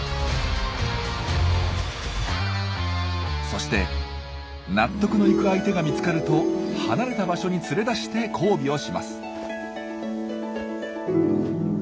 そして納得のいく相手が見つかると離れた場所に連れ出して交尾をします。